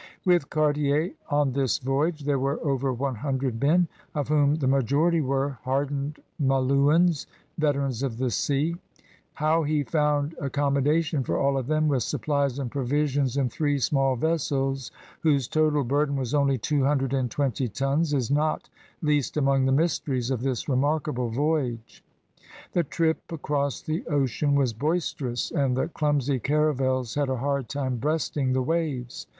With Car tier on this voyage there were over one hundred men, of whom the majority were hardened Ma louins, veterans of the sea. How he found ac commodation for all of them, with supplies and provisions, in three small vessels whose total burden was only two hundred and twenty tons, is not least among the mysteries of this remarkable voyage/ The trip across the ocean was boisterous, and the clumsy caravels had a hard time breasting the waves.